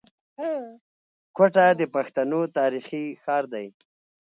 کوټه د پښتنو تاريخي ښار دی.